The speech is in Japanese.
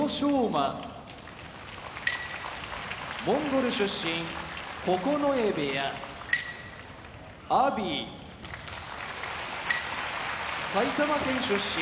馬モンゴル出身九重部屋阿炎埼玉県出身